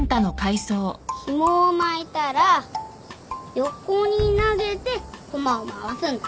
ひもを巻いたら横に投げてコマを回すんだ